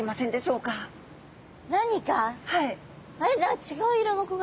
違う色の子がいる？